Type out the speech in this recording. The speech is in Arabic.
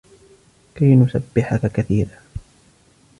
كي نسبحك كثيرا